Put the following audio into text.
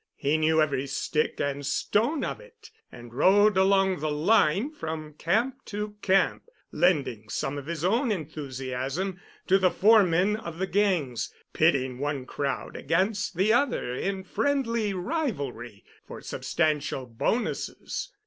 He knew every stick and stone of it and rode along the line from camp to camp, lending some of his own enthusiasm to the foremen of the gangs, pitting one crowd against the other in friendly rivalry for substantial bonuses.